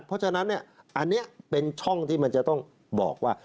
เพราะฉะนั้นอันนี้เป็นช่องที่มันจะต้องบอกว่า